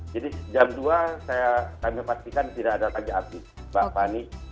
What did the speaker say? jadi jam dua kami pastikan tidak ada lagi api